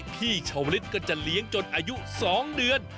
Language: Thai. พี่ชาวลิศก็จะเลี้ยงจนอายุ๒เดือน